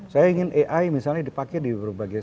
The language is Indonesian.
saya ingin ai misalnya dipakai di berbagai